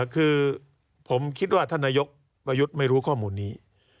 คือผมคิดว่าท่านนายกประยุทธ์ไม่รู้ข้อมูลนี้